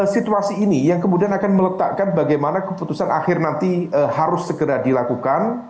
situasi ini yang kemudian akan meletakkan bagaimana keputusan akhir nanti harus segera dilakukan